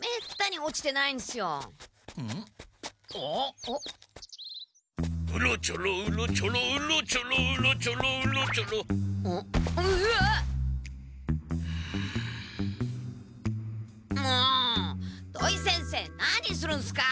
もう土井先生何するんすか！？